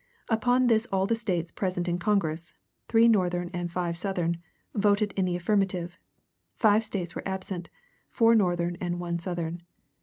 Upon this all the States present in Congress three Northern and five Southern voted in the affirmative; five States were absent, four Northern and one Southern.